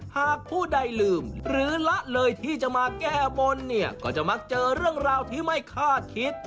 หากผู้ใดลืมหรือละเลยที่จะมาแก้บนเนี่ยก็จะมักเจอเรื่องราวที่ไม่คาดคิด